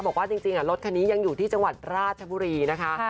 บอกว่าจริงรถคันนี้ยังอยู่ที่จังหวัดราชบุรีนะคะ